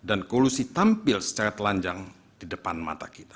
dan koelosi tampil secara telanjang di depan mata kita